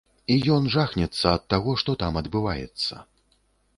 І ён жахнецца ад таго, што там адбываецца.